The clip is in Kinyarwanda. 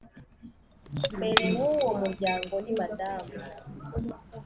Mbere w uwo muryango ni madamu